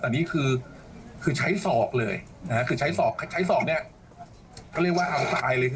แต่นี่คือใช้ศอกเลยใช้ศอกเนี่ยก็เรียกว่าเอาตายเลย